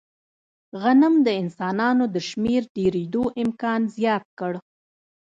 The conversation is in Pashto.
غنم د انسانانو د شمېر ډېرېدو امکان زیات کړ.